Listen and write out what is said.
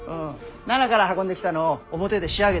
奈良から運んできたのを表で仕上げておる。